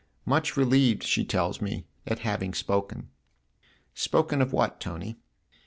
" Much relieved, she tells me, at having spoken." " Spoken of what, Tony